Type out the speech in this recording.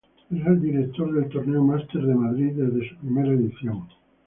Es el director del torneo Masters de Madrid desde su primera edición.